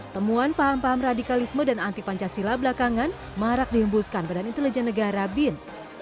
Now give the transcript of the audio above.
temuan paham paham radikalisme dan anti pancasila belakangan marak dihembuskan badan intelijen negara bin